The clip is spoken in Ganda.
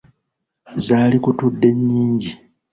Zaalikutudde nnyingi.